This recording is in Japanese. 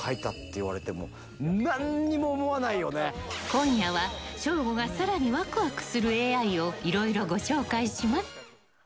今夜は省吾が更にワクワクするＡＩをいろいろご紹介します。